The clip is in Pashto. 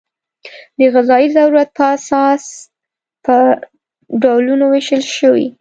د غذایي ضرورت په اساس په ډولونو وېشل شوي.